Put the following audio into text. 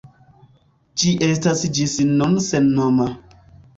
Ĝi estas ĝis nun sennoma.